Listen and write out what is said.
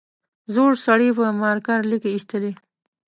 زوړ سړي پر مارکر ليکې ایستلې.